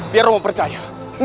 biar aku percaya